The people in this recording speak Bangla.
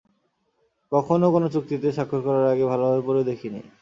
কখনও কোনো চুক্তিতে স্বাক্ষর করার আগে ভালভাবে পড়েও দেখিনি।